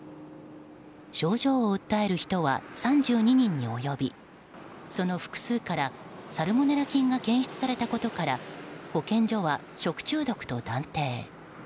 症状を訴える人は３２人に及びその複数からサルモネラ菌が検出されたことから保健所は食中毒と断定。